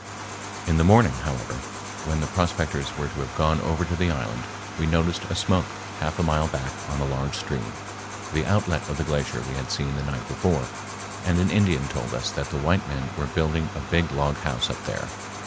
In the morning, however, when the prospectors were to have gone over to the island, we noticed a smoke half a mile back on a large stream, the outlet of the glacier we had seen the night before, and an Indian told us that the white men were building a big log house up there.